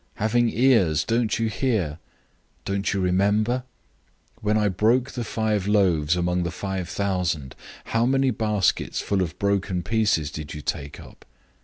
Having ears, don't you hear? Don't you remember? 008:019 When I broke the five loaves among the five thousand, how many baskets full of broken pieces did you take up?"